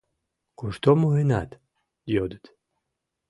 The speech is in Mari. «Кушто муынат?» — йодыт.